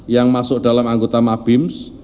yang masuk dalam anggota mabims